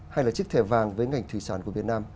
hay là chiếc thẻ vàng với ngành thủy sản của việt nam